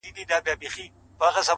و ماته عجيبه دي توري د ;